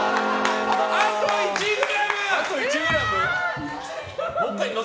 あと１ｇ！